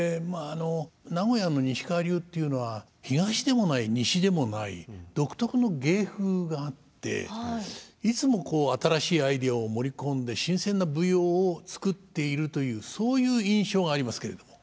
あの名古屋の西川流というのは東でもない西でもない独特の芸風があっていつも新しいアイデアを盛り込んで新鮮な舞踊を作っているというそういう印象がありますけれども。